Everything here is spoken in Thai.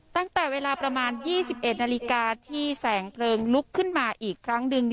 ตั้งแต่เวลาประมาณ๒๑นาฬิกาที่แสงเพลิงลุกขึ้นมาอีกครั้งหนึ่ง